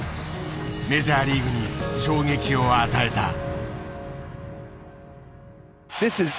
メジャーリーグに衝撃を与えた。